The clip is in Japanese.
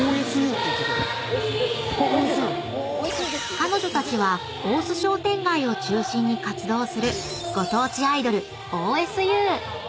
［彼女たちは大須商店街を中心に活動するご当地アイドルＯＳ☆Ｕ］